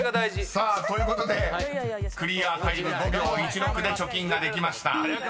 ［さあということでクリアタイム５秒１６で貯金ができました。